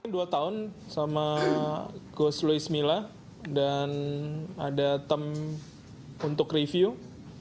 dua tahun sama coach luis mila dan ada tem untuk review tiap tahunnya